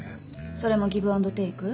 それもギブアンドテイク？